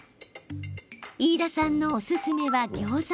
飯田さんのおすすめは、ギョーザ。